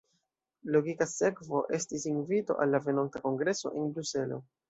Logika sekvo estis invito al la venonta kongreso en Bruselo.